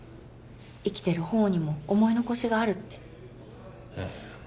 生きてるほうにも思い残しがあるってええ